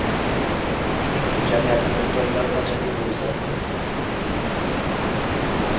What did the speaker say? Shuning uchun jamiyatda mulkdorlar qancha ko‘p bo‘lsa